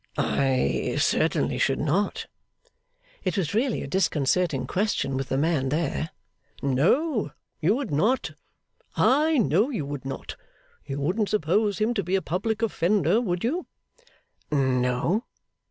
'I certainly should not.' It was really a disconcerting question, with the man there. 'No. You would not. I know you would not. You wouldn't suppose him to be a public offender; would you?' 'No.